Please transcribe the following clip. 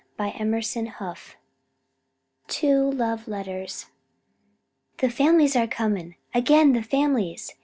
CHAPTER XXXVI TWO LOVE LETTERS "The families are coming again the families!"